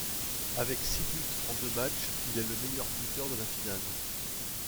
Avec six buts en deux matches, il est le meilleur buteur de la finale.